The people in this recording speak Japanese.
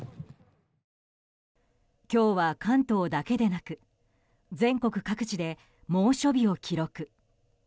今日は関東だけでなく全国各地で猛暑日を記録。